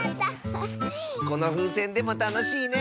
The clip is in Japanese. このふうせんでもたのしいね！